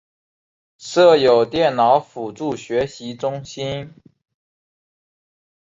设有电脑辅助学习中心。